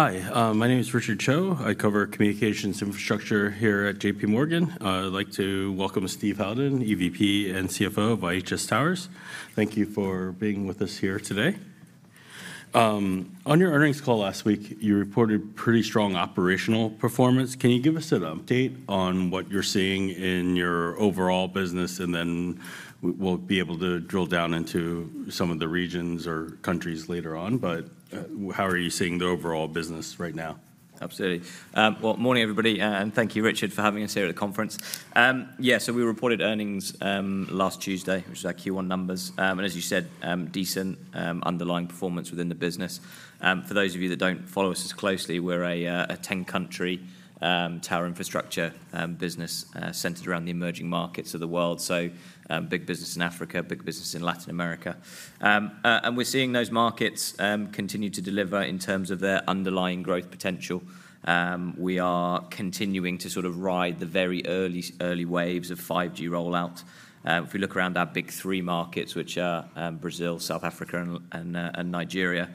Hi, my name is Richard Cho. I cover communications infrastructure here at JPMorgan. I'd like to welcome Steve Howden, EVP and CFO of IHS Towers. Thank you for being with us here today. On your earnings call last week, you reported pretty strong operational performance. Can you give us an update on what you're seeing in your overall business? And then we'll be able to drill down into some of the regions or countries later on, but how are you seeing the overall business right now? Absolutely. Well, morning, everybody, and thank you, Richard, for having us here at the conference. Yeah, so we reported earnings last Tuesday, which is our Q1 numbers. As you said, decent underlying performance within the business. For those of you that don't follow us as closely, we're a 10-country tower infrastructure business centered around the emerging markets of the world. So, big business in Africa, big business in Latin America. And we're seeing those markets continue to deliver in terms of their underlying growth potential. We are continuing to sort of ride the very early waves of 5G rollout. If we look around our big three markets, which are Brazil, South Africa, and Nigeria,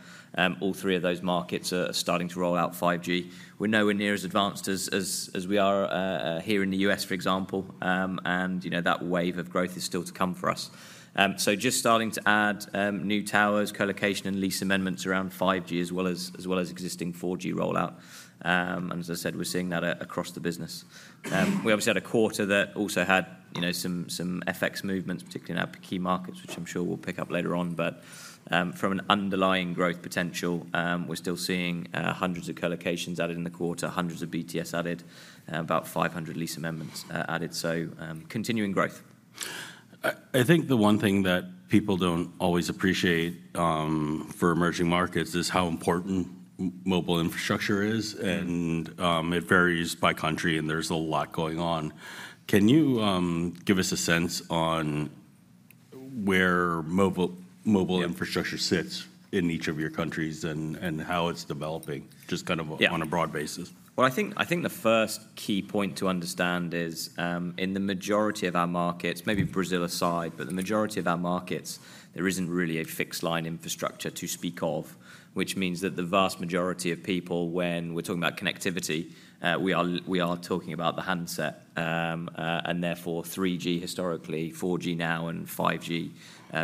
all three of those markets are starting to roll out 5G. We're nowhere near as advanced as we are here in the U.S., for example, and that wave of growth is still to come for us. So just starting to add new towers, co-location and lease amendments around 5G, as well as existing 4G rollout. And as I said, we're seeing that across the business. We obviously had a quarter that also had some FX movements, particularly in our key markets, which I'm sure we'll pick up later on, but from an underlying growth potential, we're still seeing hundreds of co-locations added in the quarter, hundreds of BTS added, about 500 lease amendments added, so continuing growth. I think the one thing that people don't always appreciate for emerging markets is how important mobile infrastructure is and it varies by country, and there's a lot going on. Can you give us a sense on where mobile infrastructure sits in each of your countries and how it's developing, just kind of on a broad basis? Well, I think, I think the first key point to understand is, in the majority of our markets, maybe Brazil aside, but the majority of our markets, there isn't really a fixed line infrastructure to speak of, which means that the vast majority of people, when we're talking about connectivity, we are talking about the handset. And therefore, 3G historically, 4G now, and 5G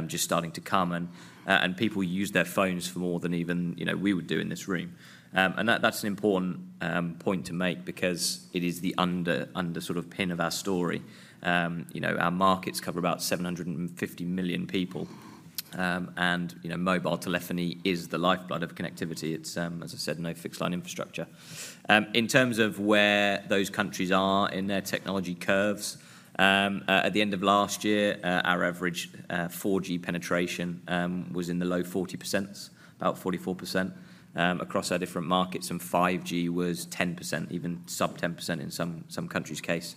just starting to come, and people use their phones for more than even we would do in this room. And that, that's an important point to make because it is the underpinning of our story. Our markets cover about 750 million people. And mobile telephony is the lifeblood of connectivity. It's, as I said, no fixed line infrastructure. In terms of where those countries are in their technology curves, at the end of last year, our average 4G penetration was in the low 40%, about 44%, across our different markets, and 5G was 10%, even sub-10% in some countries' case.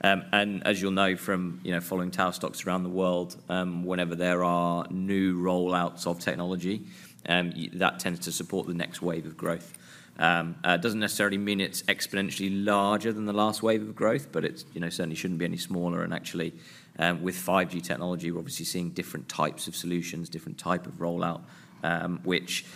And as you'll know from following tower stocks around the world, whenever there are new rollouts of technology, that tends to support the next wave of growth. It doesn't necessarily mean it's exponentially larger than the last wave of growth, but it's certainly shouldn't be any smaller. Actually, with 5G technology, we're obviously seeing different types of solutions, different type of rollout, which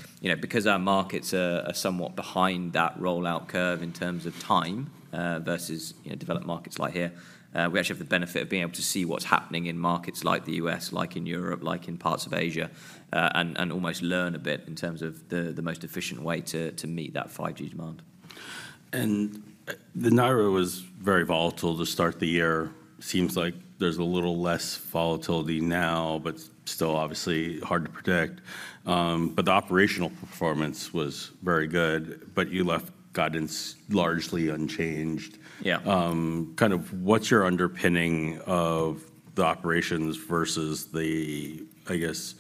because our markets are somewhat behind that rollout curve in terms of time, versus developed markets like here, we actually have the benefit of being able to see what's happening in markets like the U.S., like in Europe, like in parts of Asia, and almost learn a bit in terms of the most efficient way to meet that 5G demand. The naira was very volatile to start the year. Seems like there's a little less volatility now, but still obviously hard to predict. The operational performance was very good, but you left guidance largely unchanged. Kind of what's your underpinning of the operations versus the, I guess,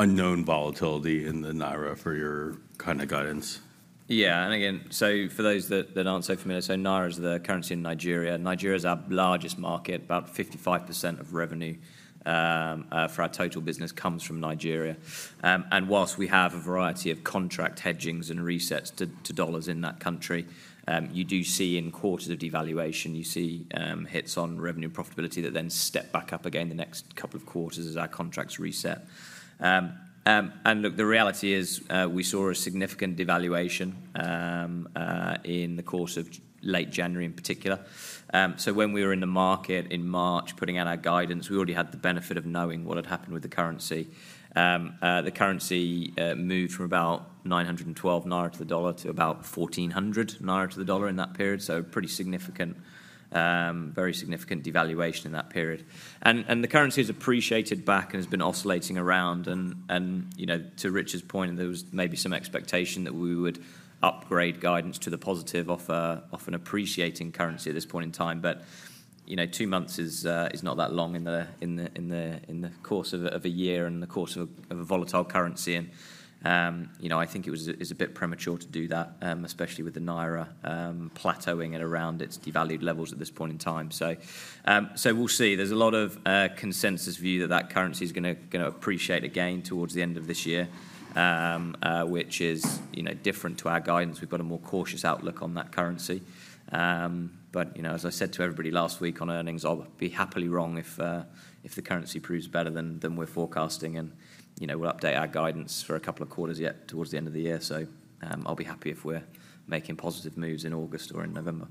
unknown volatility in the naira for your kind of guidance? Yeah, and again, so for those that aren't so familiar, so naira is the currency in Nigeria. Nigeria is our largest market. About 55% of revenue for our total business comes from Nigeria. And whilst we have a variety of contract hedgings and resets to dollars in that country, you do see in quarters of devaluation, you see, hits on revenue and profitability that then step back up again the next couple of quarters as our contracts reset. And look, the reality is, we saw a significant devaluation in the course of late January in particular. So when we were in the market in March, putting out our guidance, we already had the benefit of knowing what had happened with the currency. The currency moved from about 912 naira to the dollar to about 1,400 naira to the dollar in that period. So pretty significant, very significant devaluation in that period. And the currency has appreciated back and has been oscillating around, and to Richard's point, there was maybe some expectation that we would upgrade guidance to the positive off an appreciating currency at this point in time. But 2 months is not that long in the course of a year and in the course of a volatile currency. And I think it was, it's a bit premature to do that, especially with the naira plateauing at around its devalued levels at this point in time. So, so we'll see. There's a lot of consensus view that currency is gonna appreciate again towards the end of this year, which is different to our guidance. We've got a more cautious outlook on that currency. But as I said to everybody last week on earnings, I'll be happily wrong if, if the currency proves better than than we're forecasting, and we'll update our guidance for a couple of quarters yet towards the end of the year. So, I'll be happy if we're making positive moves in August or in November.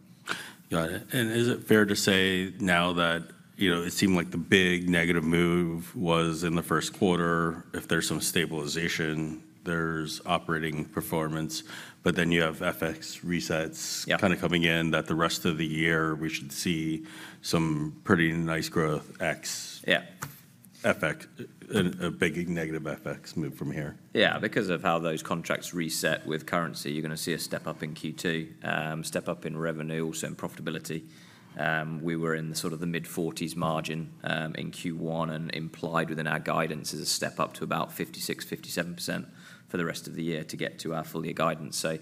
Got it. And is it fair to say now that, it seemed like the big negative move was in the first quarter, if there's some stabilization, there's operating performance, but then you have FX resets kind of coming in, that the rest of the year we should see some pretty nice growth X? FX, a big negative FX move from here. Yeah, because of how those contracts reset with currency, you're gonna see a step up in Q2, step up in revenue, also in profitability. We were in the sort of mid-40s margin in Q1, and implied within our guidance is a step up to about 56%-57% for the rest of the year to get to our full year guidance. So,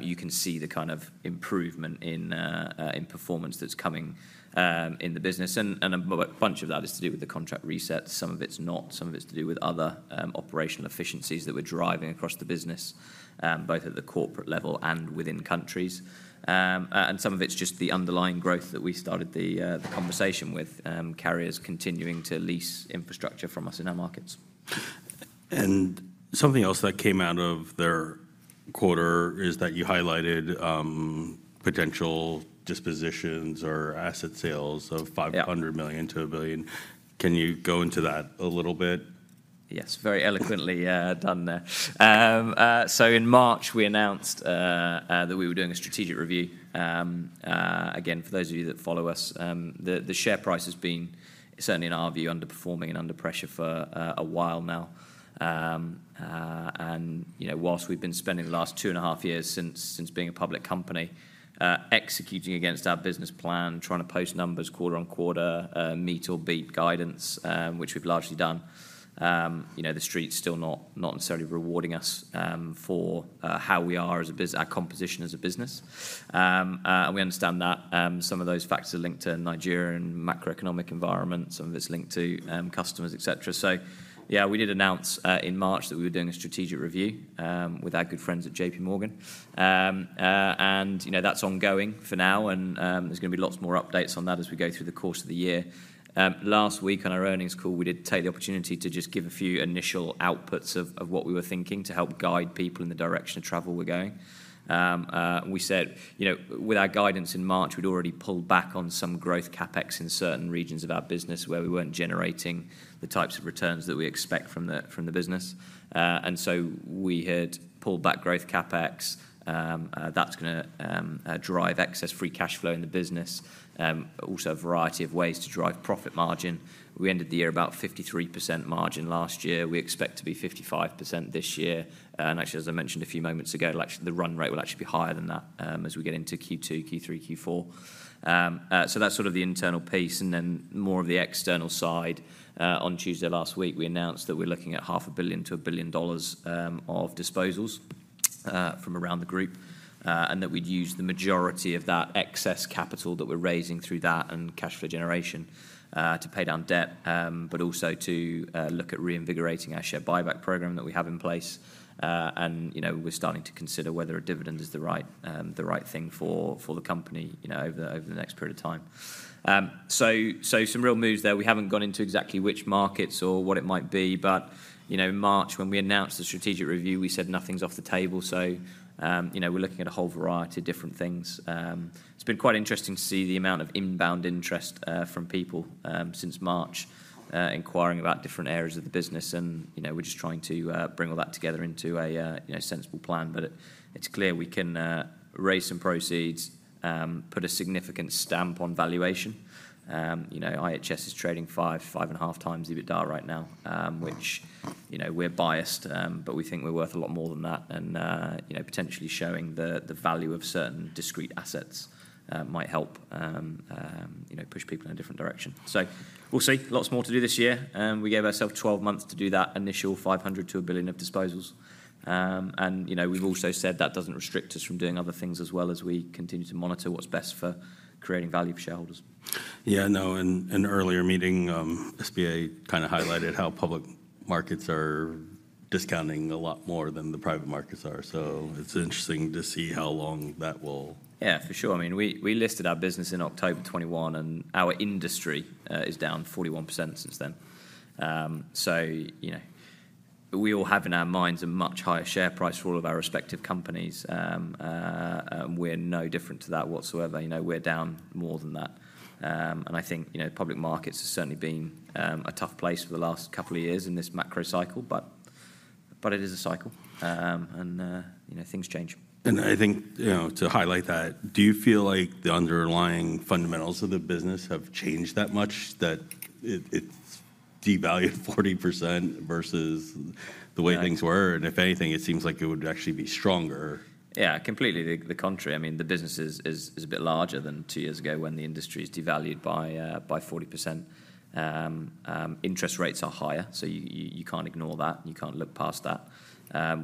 you can see the kind of improvement in performance that's coming in the business. And a bunch of that is to do with the contract resets. Some of it's not, some of it's to do with other operational efficiencies that we're driving across the business, both at the corporate level and within countries. Some of it's just the underlying growth that we started the conversation with, carriers continuing to lease infrastructure from us in our markets. Something else that came out of their quarter is that you highlighted, potential dispositions or asset sales of $500 million-$1 billion. Can you go into that a little bit? Yes, very eloquently, done there. So in March, we announced that we were doing a strategic review. Again, for those of you that follow us, the share price has been, certainly in our view, underperforming and under pressure for a while now. And whilst we've been spending the last two and a half years since being a public company, executing against our business plan, trying to post numbers quarter on quarter, meet or beat guidance, which we've largely done the Street's still not necessarily rewarding us for how we are as our composition as a business. And we understand that, some of those factors are linked to Nigerian macroeconomic environment, some of it's linked to customers, et cetera. We did announce in March that we were doing a strategic review with our good friends at JPMorgan. And that's ongoing for now, and there's gonna be lots more updates on that as we go through the course of the year. Last week, on our earnings call, we did take the opportunity to just give a few initial outputs of what we were thinking, to help guide people in the direction of travel we're going. We said with our guidance in March, we'd already pulled back on some growth CapEx in certain regions of our business where we weren't generating the types of returns that we expect from the business. And so we had pulled back growth CapEx. That's gonna drive excess free cash flow in the business, but also a variety of ways to drive profit margin. We ended the year about 53% margin last year. We expect to be 55% this year. And actually, as I mentioned a few moments ago, it'll actually, the run rate will actually be higher than that, as we get into Q2, Q3, Q4. So that's sort of the internal piece, and then more of the external side. On Tuesday last week, we announced that we're looking at $500 million-$1 billion of disposals from around the group, and that we'd use the majority of that excess capital that we're raising through that and cash flow generation to pay down debt, but also to look at reinvigorating our share buyback program that we have in place. And we're starting to consider whether a dividend is the right thing for the company over the next period of time. So some real moves there. We haven't gone into exactly which markets or what it might be, but in March, when we announced the strategic review, we said nothing's off the table. So we're looking at a whole variety of different things. It's been quite interesting to see the amount of inbound interest from people since March inquiring about different areas of the business, and we're just trying to bring all that together into a sensible plan. But it's clear we can raise some proceeds, put a significant stamp on valuation. IHS is trading 5-5.5x EBITDA right now, which we're biased, but we think we're worth a lot more than that. And potentially showing the value of certain discrete assets might help push people in a different direction. So we'll see. Lots more to do this year, and we gave ourselves 12 months to do that initial $500 million-$1 billion of disposals. We've also said that doesn't restrict us from doing other things as well, as we continue to monitor what's best for creating value for shareholders. Yeah, I know in an earlier meeting, SBA kind of highlighted how public markets are discounting a lot more than the private markets are. So it's interesting to see how long that will. Yeah, for sure. I mean, we listed our business in October 2021, and our industry is down 41% since then. We all have in our minds a much higher share price for all of our respective companies. And we're no different to that whatsoever. We're down more than that. And I think public markets have certainly been a tough place for the last couple of years in this macro cycle, but it is a cycle. And things change. I think to highlight that, do you feel like the underlying fundamentals of the business have changed that much, that it, it's devalued 40% versus the way things were? If anything, it seems like it would actually be stronger. Yeah, completely the contrary. I mean, the business is a bit larger than two years ago, when the industry is devalued by 40%. Interest rates are higher, so you can't ignore that, you can't look past that.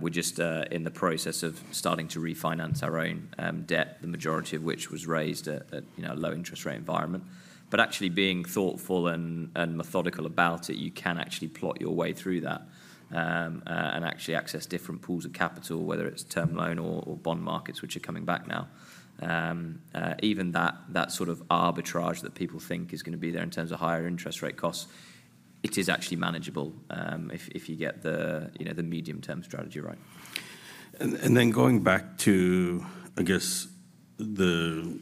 We're just in the process of starting to refinance our own debt, the majority of which was raised at low interest rate environment. But actually being thoughtful and methodical about it, you can actually plot your way through that, and actually access different pools of capital, whether it's term loan or bond markets, which are coming back now. Even that sort of arbitrage that people think is gonna be there in terms of higher interest rate costs, it is actually manageable, if you get the the medium-term strategy right. And then going back to, I guess, the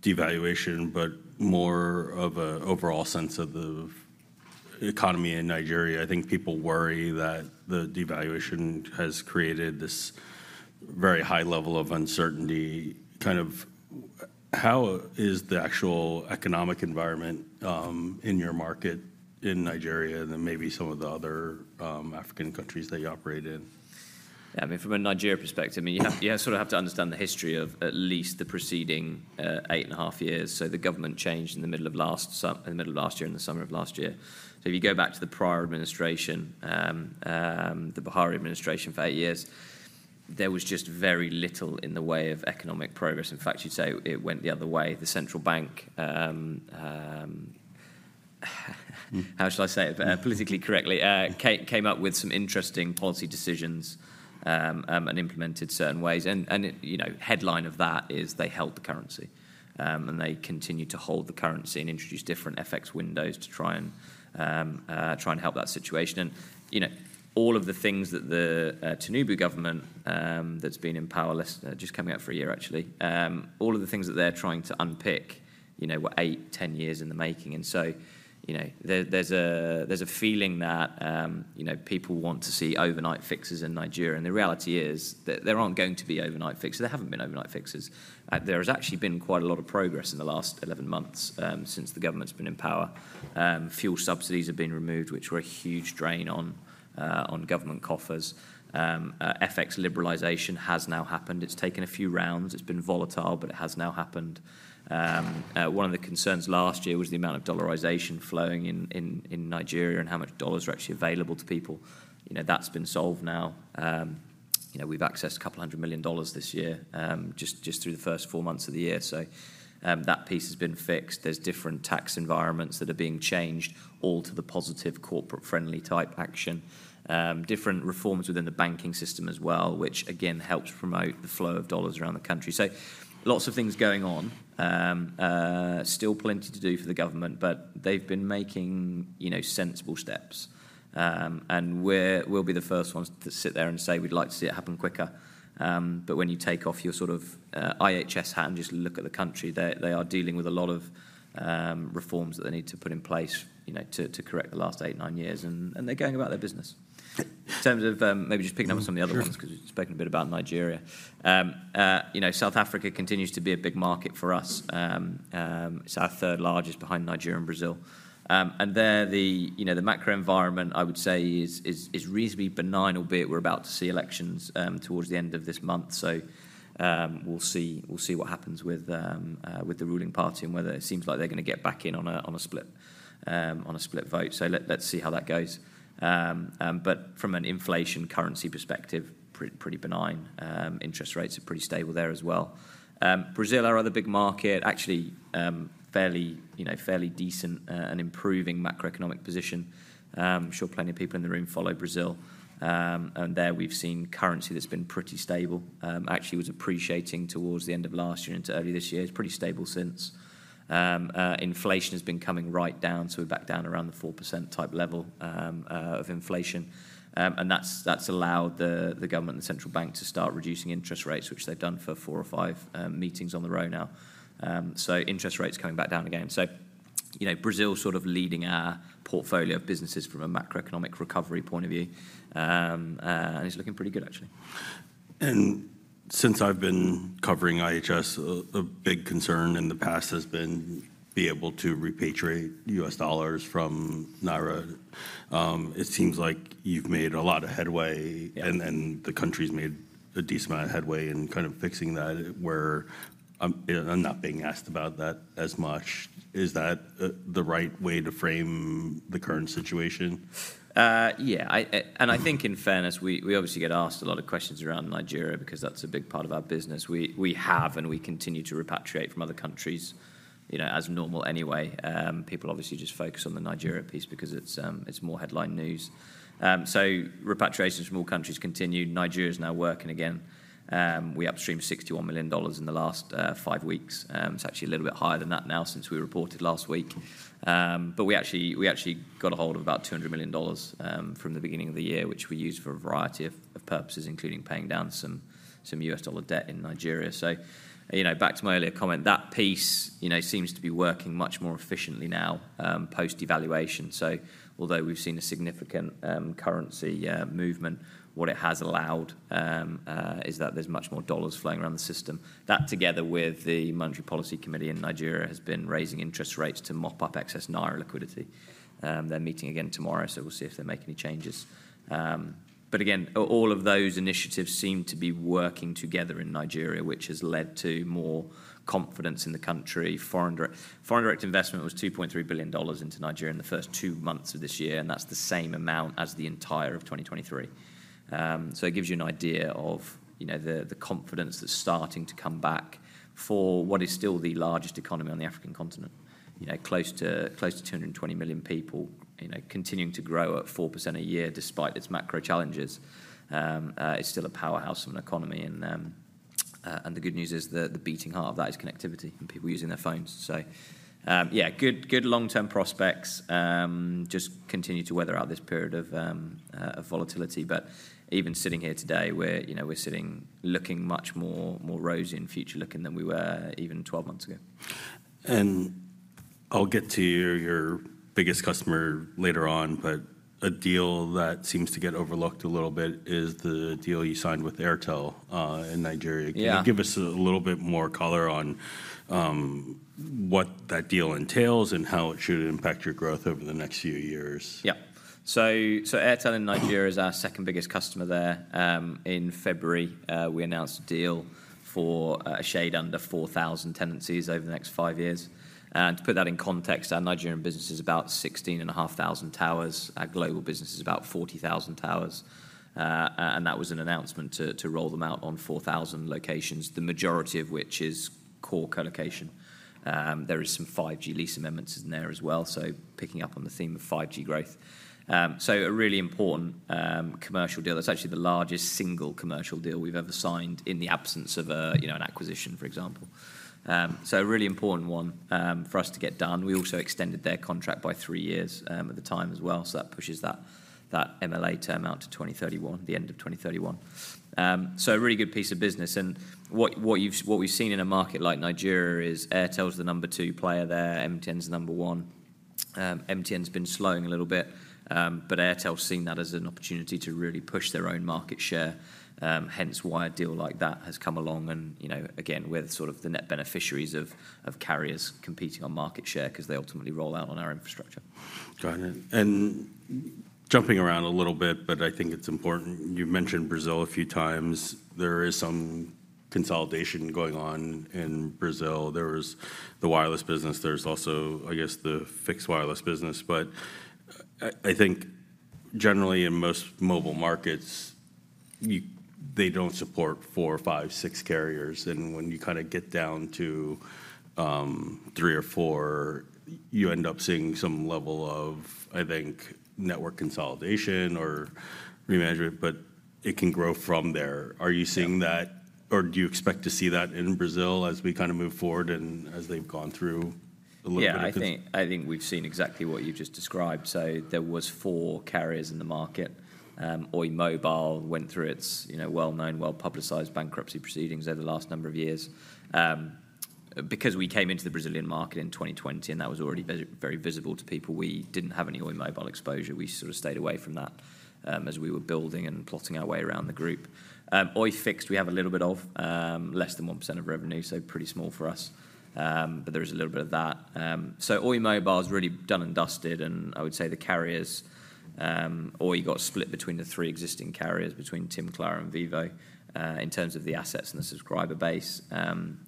devaluation, but more of an overall sense of the economy in Nigeria, I think people worry that the devaluation has created this very high level of uncertainty. Kind of how is the actual economic environment in your market in Nigeria than maybe some of the other African countries that you operate in? Yeah, I mean, from a Nigeria perspective, I mean, you sort of have to understand the history of at least the preceding eight and a half years. So the government changed in the middle of last year, in the summer of last year. So if you go back to the prior administration, the Buhari administration, for eight years, there was just very little in the way of economic progress. In fact, you'd say it went the other way. The central bank, how shall I say it, politically correctly? Came up with some interesting policy decisions and implemented certain ways. The headline of that is they held the currency, and they continued to hold the currency and introduce different FX windows to try and help that situation. All of the things that the Tinubu government that's been in power just coming up for a year, actually. All of the things that they're trying to unpick were 8-10 years in the making. So there, there's a feeling that people want to see overnight fixes in Nigeria, and the reality is that there aren't going to be overnight fixes. There haven't been overnight fixes. There has actually been quite a lot of progress in the last 11 months since the government's been in power. Fuel subsidies have been removed, which were a huge drain on government coffers. FX liberalization has now happened. It's taken a few rounds. It's been volatile, but it has now happened. One of the concerns last year was the amount of dollarization flowing in Nigeria and how much dollars were actually available to people. That's been solved now. We've accessed $200 million this year, just through the first four months of the year. So, that piece has been fixed. There's different tax environments that are being changed, all to the positive, corporate-friendly type action. Different reforms within the banking system as well, which again, helps promote the flow of dollars around the country. So lots of things going on. Still plenty to do for the government, but they've been making sensible steps. We're, we'll be the first ones to sit there and say, "We'd like to see it happen quicker." But when you take off your sort of IHS hat and just look at the country, they, they are dealing with a lot of reforms that they need to put in place to correct the last 8, 9 years, and, and they're going about their business. In terms of, maybe just picking up on some of the other ones 'cause we've spoken a bit about Nigeria. South Africa continues to be a big market for us. It's our third largest behind Nigeria and Brazil. And there the macro environment, I would say, is reasonably benign, albeit we're about to see elections towards the end of this month. So, we'll see. We'll see what happens with the ruling party and whether it seems like they're gonna get back in on a split vote. So let's see how that goes. But from an inflation currency perspective, pretty benign. Interest rates are pretty stable there as well. Brazil, our other big market, actually, fairly decent and improving macroeconomic position. I'm sure plenty of people in the room follow Brazil. And there we've seen currency that's been pretty stable. Actually, was appreciating towards the end of last year into early this year. It's pretty stable since. Inflation has been coming right down, so we're back down around the 4% type level, of inflation. And that's, that's allowed the, the government and central bank to start reducing interest rates, which they've done for four or five, meetings in a row now. So interest rates coming back down again. Brazil sort of leading our portfolio of businesses from a macroeconomic recovery point of view. And it's looking pretty good, actually. Since I've been covering IHS, a big concern in the past has been being able to repatriate U.S. dollars from naira. It seems like you've made a lot of headway and the country's made a decent amount of headway in kind of fixing that, where I'm not being asked about that as much. Is that the right way to frame the current situation? Yeah, and I think in fairness, we obviously get asked a lot of questions around Nigeria because that's a big part of our business. We have and we continue to repatriate from other countries as normal anyway. People obviously just focus on the Nigeria piece because it's more headline news. So repatriations from all countries continued. Nigeria is now working again. We upstreamed $61 million in the last five weeks. It's actually a little bit higher than that now, since we reported last week. But we actually got a hold of about $200 million from the beginning of the year, which we used for a variety of purposes, including paying down some US dollar debt in Nigeria. So, you know, back to my earlier comment, that piece, you know, seems to be working much more efficiently now, post-devaluation. So although we've seen a significant currency movement, what it has allowed is that there's much more dollars flowing around the system. That, together with the Monetary Policy Committee in Nigeria, has been raising interest rates to mop up excess Naira liquidity. They're meeting again tomorrow, so we'll see if they make any changes. But again, all of those initiatives seem to be working together in Nigeria, which has led to more confidence in the country. Foreign direct investment was $2.3 billion into Nigeria in the first two months of this year, and that's the same amount as the entire of 2023. So it gives you an idea of, you know, the, the confidence that's starting to come back for what is still the largest economy on the African continent. You know, close to 220 million people, you know, continuing to grow at 4% a year despite its macro challenges. It's still a powerhouse of an economy and the good news is that the beating heart of that is connectivity and people using their phones. So, yeah, good, good long-term prospects. Just continue to weather out this period of volatility. But even sitting here today, we're, you know, we're sitting, looking much more, more rosy in future looking than we were even 12 months ago. I'll get to your biggest customer later on, but a deal that seems to get overlooked a little bit is the deal you signed with Airtel in Nigeria. Can you give us a little bit more color on what that deal entails and how it should impact your growth over the next few years? Yeah. So Airtel in Nigeria is our second biggest customer there. In February, we announced a deal for a shade under 4,000 tenancies over the next five years. And to put that in context, our Nigerian business is about 16,500 towers. Our global business is about 40,000 towers. And that was an announcement to roll them out on 4,000 locations, the majority of which is core co-location. There is some 5G lease amendments in there as well, so picking up on the theme of 5G growth. So a really important commercial deal. That's actually the largest single commercial deal we've ever signed in the absence of a, you know, an acquisition, for example. So a really important one for us to get done. We also extended their contract by three years, at the time as well, so that pushes that, that MLA term out to 2031, the end of 2031. So a really good piece of business, and what we've seen in a market like Nigeria is Airtel is the number two player there, MTN's the number one. MTN's been slowing a little bit, but Airtel's seen that as an opportunity to really push their own market share, hence why a deal like that has come along and, you know, again, we're sort of the net beneficiaries of, of carriers competing on market share 'cause they ultimately roll out on our infrastructure. Got it. And jumping around a little bit, but I think it's important. You've mentioned Brazil a few times. There is some consolidation going on in Brazil. There was the wireless business. There's also, I guess, the fixed wireless business. But I think generally in most mobile markets, they don't support four, five, six carriers, and when you kinda get down to three or four, you end up seeing some level of, I think, network consolidation or remanagement, but it can grow from there. Are you seeing that, or do you expect to see that in Brazil as we kinda move forward and as they've gone through a little bit of this? Yeah, I think, I think we've seen exactly what you've just described. So there was 4 carriers in the market. Oi Mobile went through its, you know, well-known, well-publicized bankruptcy proceedings over the last number of years. Because we came into the Brazilian market in 2020, and that was already very visible to people, we didn't have any Oi Mobile exposure. We sort of stayed away from that, as we were building and plotting our way around the group. Oi Fixed, we have a little bit of less than 1% of revenue, so pretty small for us. But there is a little bit of that. So Oi Mobile is really done and dusted, and I would say the carriers, Oi got split between the three existing carriers, between TIM, Claro, and Vivo, in terms of the assets and the subscriber base.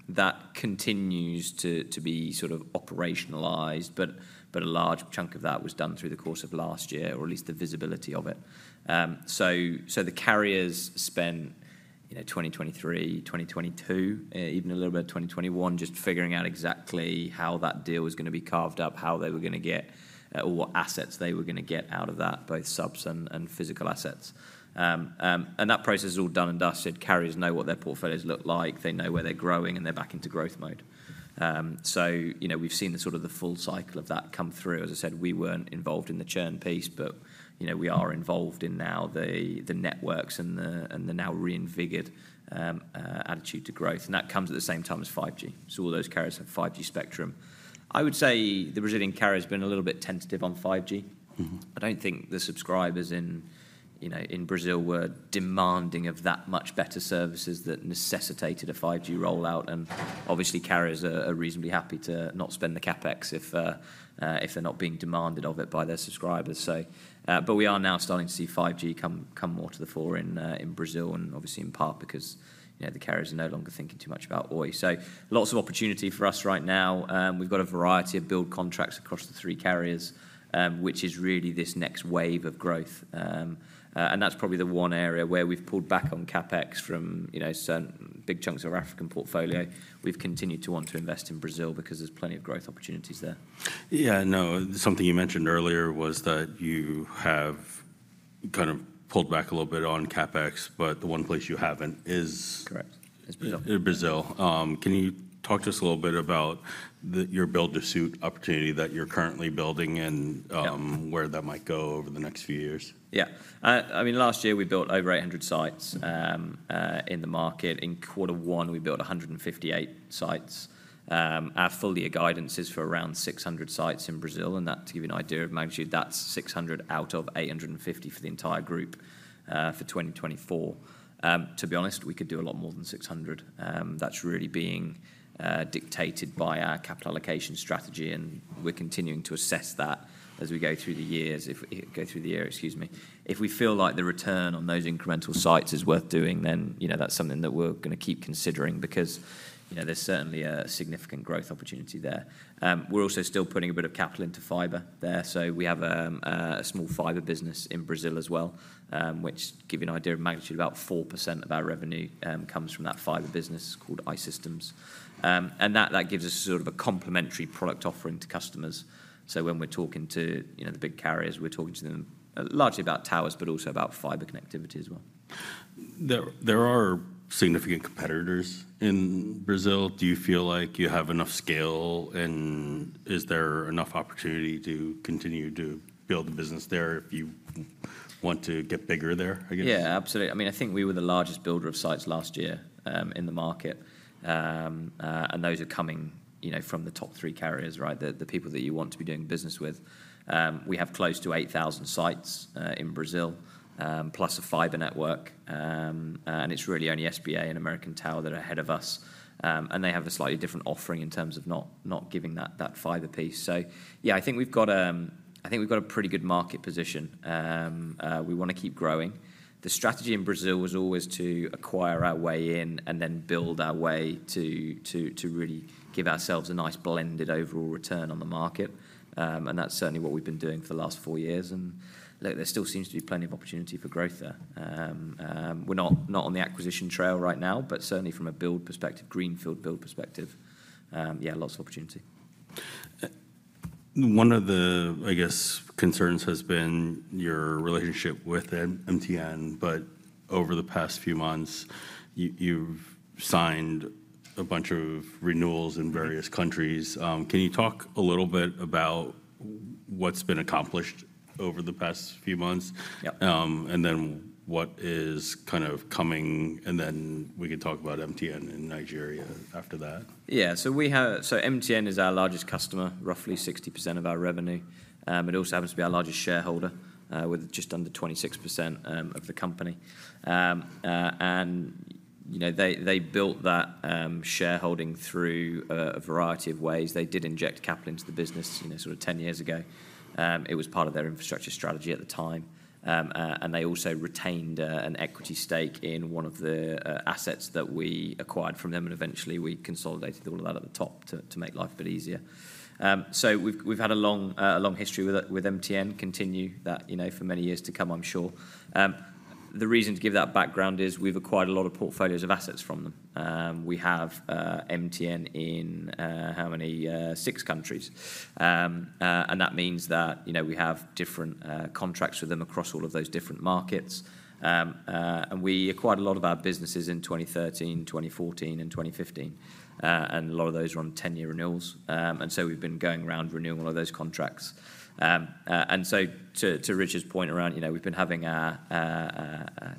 That continues to be sort of operationalized, but a large chunk of that was done through the course of last year, or at least the visibility of it. So the carriers spent, you know, 2023, 2022, even a little bit of 2021, just figuring out exactly how that deal was gonna be carved up, how they were gonna get, or what assets they were gonna get out of that, both subs and physical assets. And that process is all done and dusted. Carriers know what their portfolios look like, they know where they're growing, and they're back into growth mode. So, you know, we've seen the sort of full cycle of that come through. As I said, we weren't involved in the churn piece, but, you know, we are involved in now the networks and the now reinvigorated attitude to growth, and that comes at the same time as 5G. So all those carriers have 5G spectrum. I would say the Brazilian carrier has been a little bit tentative on 5G. I don't think the subscribers in, you know, in Brazil were demanding of that much better services that necessitated a 5G rollout. And obviously, carriers are reasonably happy to not spend the CapEx if, if they're not being demanded of it by their subscribers. So, but we are now starting to see 5G come more to the fore in, in Brazil, and obviously in part because, you know, the carriers are no longer thinking too much about Oi. So lots of opportunity for us right now. We've got a variety of build contracts across the three carriers, which is really this next wave of growth. And that's probably the one area where we've pulled back on CapEx from, you know, certain big chunks of our African portfolio. We've continued to want to invest in Brazil because there's plenty of growth opportunities there. Yeah, no, something you mentioned earlier was that you have kind of pulled back a little bit on CapEx, but the one place you haven't is- Correct, is Brazil. In Brazil. Can you talk to us a little bit about the, your build-to-suit opportunity that you're currently building and where that might go over the next few years? Yeah. I mean, last year we built over 800 sites in the market. In quarter one, we built 158 sites. Our full year guidance is for around 600 sites in Brazil, and that, to give you an idea of magnitude, that's 600 out of 850 for the entire group for 2024. To be honest, we could do a lot more than 600. That's really being dictated by our capital allocation strategy, and we're continuing to assess that as we go through the year, excuse me. If we feel like the return on those incremental sites is worth doing, then, you know, that's something that we're gonna keep considering because, you know, there's certainly a significant growth opportunity there. We're also still putting a bit of capital into fiber there. So we have a small fiber business in Brazil as well, which, give you an idea of magnitude, about 4% of our revenue comes from that fiber business, called I-Systems. And that gives us sort of a complementary product offering to customers. So when we're talking to, you know, the big carriers, we're talking to them largely about towers, but also about fiber connectivity as well. There are significant competitors in Brazil. Do you feel like you have enough scale, and is there enough opportunity to continue to build the business there if you want to get bigger there, I guess? Yeah, absolutely. I mean, I think we were the largest builder of sites last year in the market. And those are coming, you know, from the top three carriers, right? The people that you want to be doing business with. We have close to 8,000 sites in Brazil, plus a fiber network. And it's really only SBA and American Tower that are ahead of us. And they have a slightly different offering in terms of not giving that fiber piece. So yeah, I think we've got a pretty good market position. We wanna keep growing. The strategy in Brazil was always to acquire our way in and then build our way to really give ourselves a nice blended overall return on the market. And that's certainly what we've been doing for the last four years, and look, there still seems to be plenty of opportunity for growth there. We're not, not on the acquisition trail right now, but certainly from a build perspective, greenfield build perspective, yeah, lots of opportunity. One of the, I guess, concerns has been your relationship with MTN, but over the past few months, you, you've signed a bunch of renewals in various countries. Can you talk a little bit about what's been accomplished over the past few months? And then what is kind of coming, and then we can talk about MTN in Nigeria after that. Yeah. MTN is our largest customer, roughly 60% of our revenue. It also happens to be our largest shareholder, with just under 26% of the company. And, you know, they, they built that shareholding through a variety of ways. They did inject capital into the business, you know, sort of 10 years ago. It was part of their infrastructure strategy at the time. And they also retained an equity stake in one of the assets that we acquired from them, and eventually, we consolidated all of that at the top to make life a bit easier. So we've, we've had a long, a long history with, with MTN, continue that, you know, for many years to come, I'm sure. The reason to give that background is we've acquired a lot of portfolios of assets from them. We have MTN in how many? Six countries. And that means that, you know, we have different contracts with them across all of those different markets. And we acquired a lot of our businesses in 2013, 2014, and 2015. And a lot of those are on 10-year renewals, and so we've been going around renewing all of those contracts. And so to Richard's point around, you know, we've been having our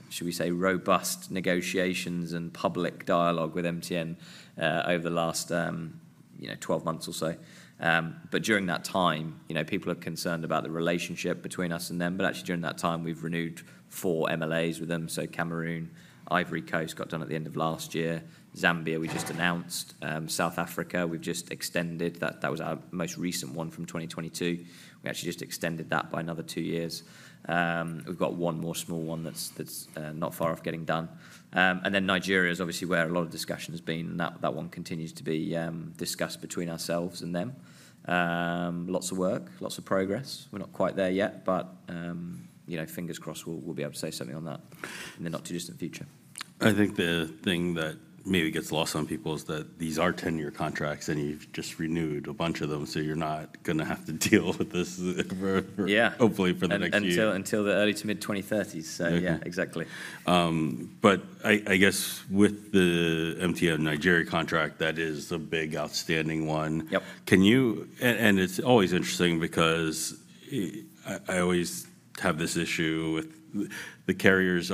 shall we say, robust negotiations and public dialogue with MTN over the last, you know, 12 months or so. But during that time, you know, people are concerned about the relationship between us and them, but actually, during that time, we've renewed four MLAs with them. So Cameroon, Ivory Coast got done at the end of last year. Zambia, we just announced. South Africa, we've just extended. That was our most recent one from 2022. We actually just extended that by another two years. We've got one more small one that's not far off getting done. And then Nigeria is obviously where a lot of discussion has been, and that one continues to be discussed between ourselves and them. Lots of work, lots of progress. We're not quite there yet, but you know, fingers crossed, we'll be able to say something on that in the not-too-distant future. I think the thing that maybe gets lost on people is that these are 10-year contracts, and you've just renewed a bunch of them, so you're not gonna have to deal with this for hopefully for the next year. Until the early to mid-2030s, so yeah. I guess with the MTN Nigeria contract, that is the big outstanding one. Yep. It's always interesting because I always have this issue with the carriers.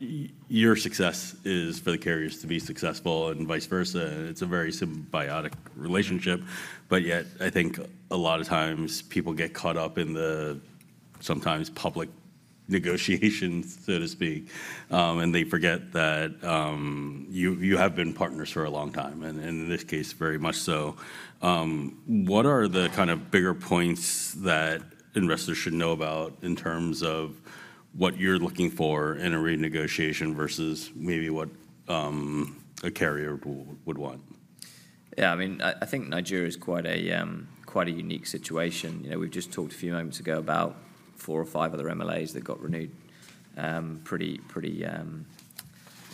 Your success is for the carriers to be successful and vice versa. It's a very symbiotic relationship, but yet, I think a lot of times people get caught up in the sometimes public negotiations, so to speak, and they forget that you have been partners for a long time, and in this case, very much so. What are the kind of bigger points that investors should know about in terms of what you're looking for in a renegotiation versus maybe what a carrier would want? Yeah, I mean, I think Nigeria is quite a, quite a unique situation. You know, we've just talked a few moments ago about four or five other MLAs that got renewed, pretty, pretty,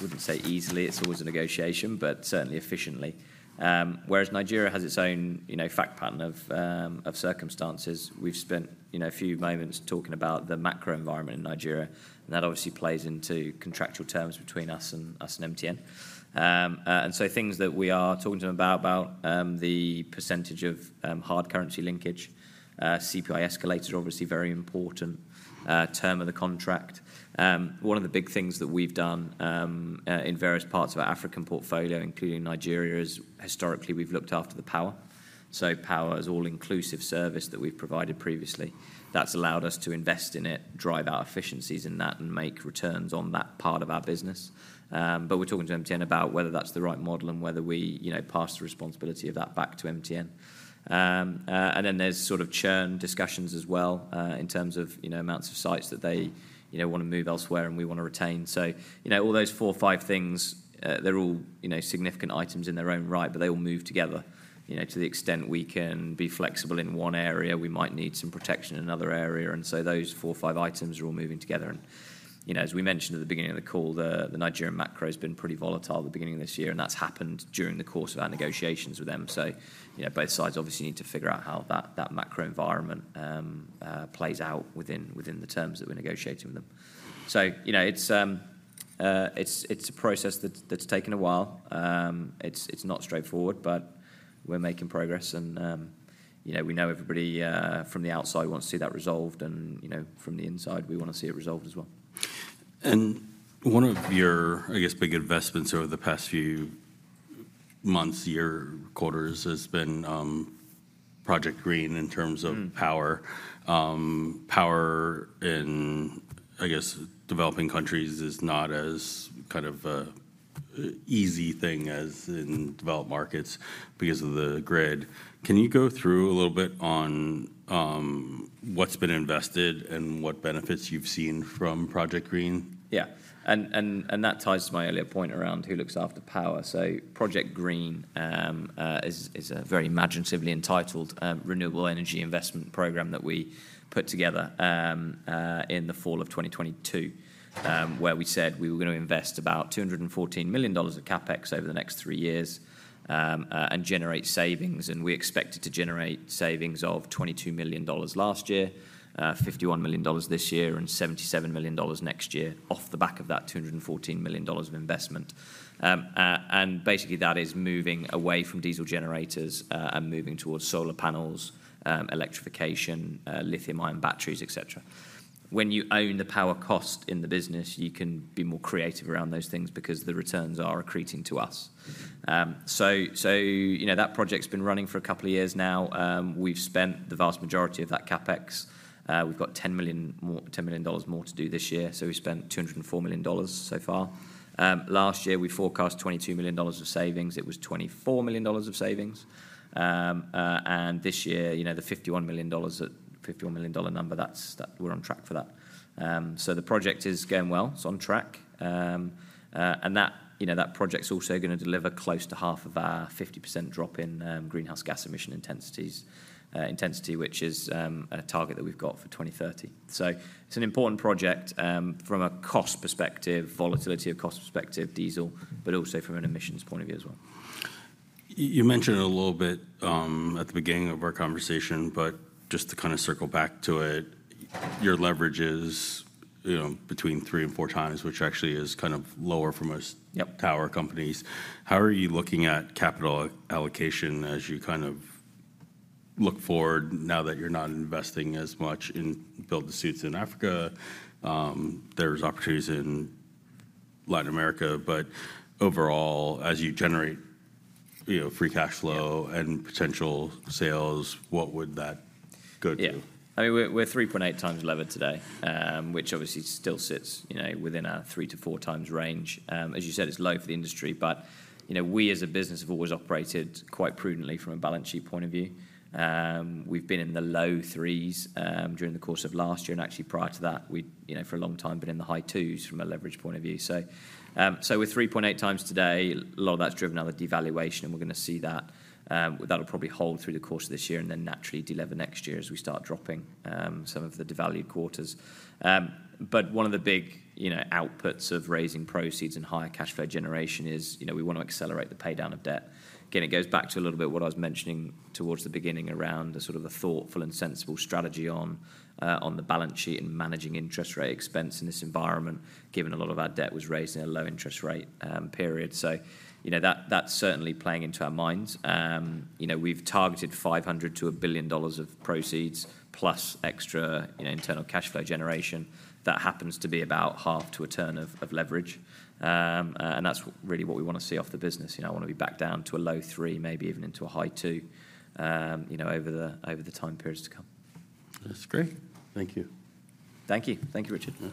wouldn't say easily, it's always a negotiation, but certainly efficiently. Whereas Nigeria has its own, you know, fact pattern of, of circumstances. We've spent, you know, a few moments talking about the macro environment in Nigeria, and that obviously plays into contractual terms between us and MTN. And so things that we are talking to them about, about, the percentage of, hard currency linkage, CPI escalators are obviously a very important, term of the contract. One of the big things that we've done, in various parts of our African portfolio, including Nigeria, is historically, we've looked after the power. So power is all-inclusive service that we've provided previously. That's allowed us to invest in it, drive our efficiencies in that, and make returns on that part of our business. But we're talking to MTN about whether that's the right model and whether we, you know, pass the responsibility of that back to MTN. And then there's sort of churn discussions as well, in terms of, you know, amounts of sites that they, you know, wanna move elsewhere, and we wanna retain. So, you know, all those four or five things, they're all, you know, significant items in their own right, but they all move together. You know, to the extent we can be flexible in one area, we might need some protection in another area, and so those four or five items are all moving together. You know, as we mentioned at the beginning of the call, the Nigerian macro has been pretty volatile at the beginning of this year, and that's happened during the course of our negotiations with them. So, you know, both sides obviously need to figure out how that macro environment plays out within the terms that we're negotiating with them. So, you know, it's a process that's taken a while. It's not straightforward, but we're making progress, and, you know, we know everybody from the outside wants to see that resolved, and, you know, from the inside, we wanna see it resolved as well. One of your, I guess, big investments over the past few months, year, quarters, has been Project Green in terms of power. Power in, I guess, developing countries is not as kind of a easy thing as in developed markets because of the grid. Can you go through a little bit on what's been invested and what benefits you've seen from Project Green? Yeah, that ties to my earlier point around who looks after power. So Project Green is a very imaginatively entitled renewable energy investment program that we put together in the fall of 2022, where we said we were gonna invest about $214 million of CapEx over the next three years, and generate savings. We expected to generate savings of $22 million last year, $51 million this year, and $77 million next year off the back of that $214 million of investment. Basically, that is moving away from diesel generators, and moving towards solar panels, electrification, lithium-ion batteries, et cetera. When you own the power cost in the business, you can be more creative around those things because the returns are accreting to us. So that project's been running for a couple of years now. We've spent the vast majority of that CapEx. We've got $10 million more to do this year, so we've spent $204 million so far. Last year, we forecast $22 million of savings. It was $24 million of savings. And this year the $51 million, $51 million number, that's we're on track for that. So the project is going well. It's on track. And that project's also gonna deliver close to half of our 50% drop in greenhouse gas emission intensity, which is a target that we've got for 2030. So it's an important project from a cost perspective, volatility of cost perspective, diesel, but also from an emissions point of view as well. You mentioned it a little bit at the beginning of our conversation, but just to kinda circle back to it, your leverage is between 3x and 4x, which actually is kind of lower for most tower companies. How are you looking at capital allocation as you kind of look forward now that you're not investing as much in build-to-suits in Africa? There's opportunities in Latin America, but overall, as you generate free cash flow and potential sales, what would that go to? Yeah. I mean, we're 3.8x levered today, which obviously still sits within our 3-4x range. As you said, it's low for the industry, but we, as a business, have always operated quite prudently from a balance sheet point of view. We've been in the low 3s, during the course of last year, and actually prior to that, we for a long time, been in the high 2s from a leverage point of view. So, we're 3.8x today. A lot of that's driven by the devaluation, and we're gonna see that. That'll probably hold through the course of this year, and then naturally delever next year as we start dropping, some of the devalued quarters. But one of the big outputs of raising proceeds and higher cash flow generation is we want to accelerate the paydown of debt. Again, it goes back to a little bit what I was mentioning towards the beginning around the sort of the thoughtful and sensible strategy on, on the balance sheet and managing interest rate expense in this environment, given a lot of our debt was raised in a low interest rate, period. That, that's certainly playing into our minds. We've targeted $500 million-$1 billion of proceeds, plus extra internal cash flow generation. That happens to be about half to a turn of leverage. And that's really what we wanna see off the business. I wanna be back down to a low three, maybe even into a high two over the time periods to come. That's great. Thank you. Thank you. Thank you, Richard.